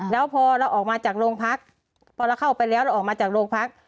แล้วพอเราออกมาจากโรงพักพอเราเข้าไปแล้วเราออกมาจากโรงพัก